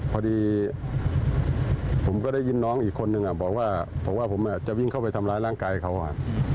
พอดีผมก็ได้ยินน้องอีกคนอื่นนึงผมจะวิ่งเข้าไปทำร้ายร่างกายเขา